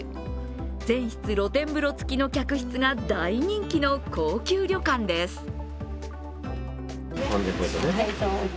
全室露天風呂付きの客室が大人気の高級旅館です。